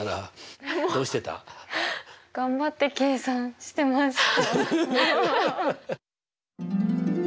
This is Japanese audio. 頑張って計算してました。